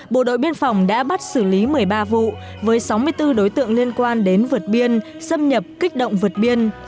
bộ đội biên phòng đã bắt xử lý một mươi ba vụ với sáu mươi bốn đối tượng liên quan đến vượt biên xâm nhập kích động vượt biên